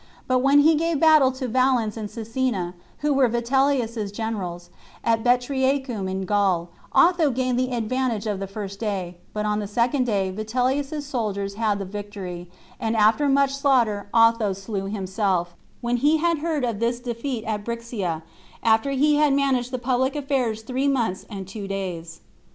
But when he gave battle to Valens and Cecinna, who were Vitellius's generals, at Betriacum, in Gaul, Otho gained the advantage on the first day, but on the second day Vitellius's soldiers had the victory; and after much slaughter Otho slew himself, when he had heard of this defeat at Brixia, and after he had managed the public affairs three months and two days.